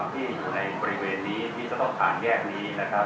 ที่อยู่ในบริเวณนี้ที่จะต้องผ่านแยกนี้นะครับ